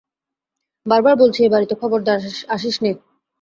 বারবার বলছি, এ-বাড়িতে খবরদার আসিস নে।